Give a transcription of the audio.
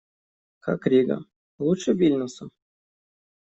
Как Рига? Лучше Вильнюса?